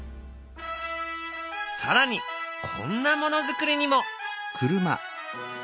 更にこんなものづくりにも！